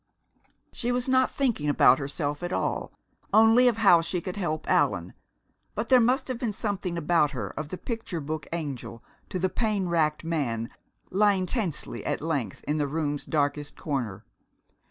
She was not thinking about herself at all, only of how she could help Allan, but there must have been something about her of the picture book angel to the pain racked man, lying tensely at length in the room's darkest corner.